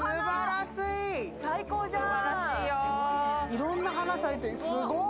いろんな花、咲いて、すごーい。